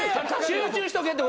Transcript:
集中しとけって。